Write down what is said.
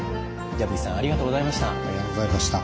矢吹さんありがとうございました。